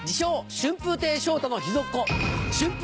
春風亭昇太の秘蔵っ子。